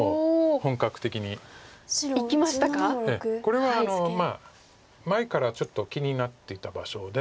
これは前からちょっと気になっていた場所で。